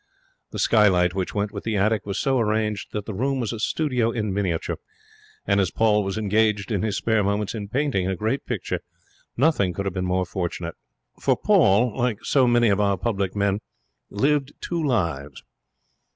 The skylight which went with the attic was so arranged that the room was a studio in miniature, and, as Paul was engaged in his spare moments in painting a great picture, nothing could have been more fortunate; for Paul, like so many of our public men, lived two lives.